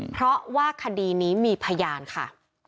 เพราะว่าคดีนี้มีพยานค่ะ